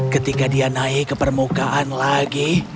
ketika dia naik ke permukaan lagi